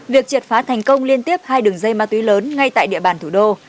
việc triệt phá thành công liên tiếp hai đường dây ma túy lớn ngay tại địa bàn thủ đô